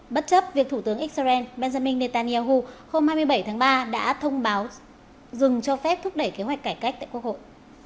bất chấp việc thủ tướng israel benjamin netanyahu hôm hai mươi bảy tháng ba đã thông báo dừng cho phép thúc đẩy kế hoạch cải cách tại quốc hội